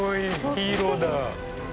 ヒーローだ。